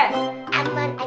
aman aja dah